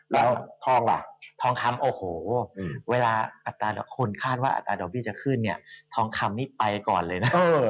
แล้วทองล่ะทองคำโอ้โหเวลาอัตราคนคาดว่าอัตราดอกเบี้ยจะขึ้นเนี่ยทองคำนี้ไปก่อนเลยนะ